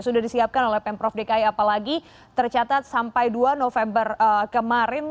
sudah disiapkan oleh pemprov dki apalagi tercatat sampai dua november kemarin